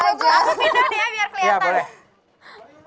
ayo pindahin dia biar kelihatan